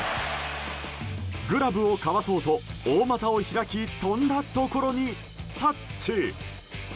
グラブをかわそうと大股を開き跳んだところに、タッチ！